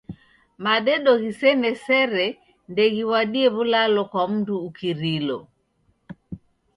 Madedo ghisene sere ndeghiw'adie w'ulalo kwa mndu ukirilo.